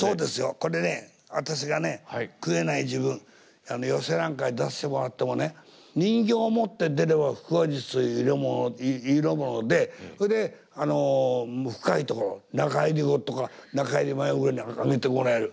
これね私がね食えない時分寄席なんかに出してもらってもね人形を持って出れば腹話術という色物で深いところ仲入り後とか仲入り前ぐらいに上げてもらえる。